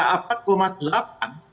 ya itu adalah penyelidikan